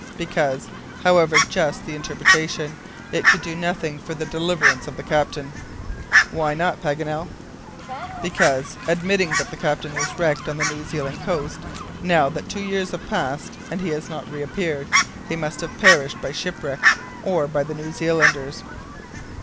"Because, however just the interpretation, it could do nothing for the deliverance of the captain." "Why not, Paganel?" "Because, admitting that the captain was wrecked on the New Zealand coast, now that two years have passed and he has not reappeared, he must have perished by shipwreck or by the New Zealanders."